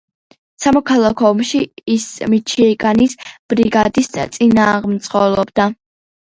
სამოქალაქო ომში ის მიჩიგანის ბრიგადას წინამძღოლობდა.